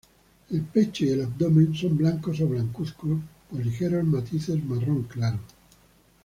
El pecho y el abdomen son blancos a blancuzcos con ligeros matices marrón claro.